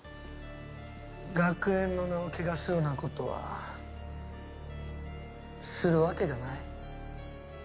学園の名を汚すような事はするわけがない。